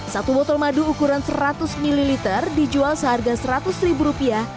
satu botol madu ukuran seratus ml dijual seharga seratus ribu rupiah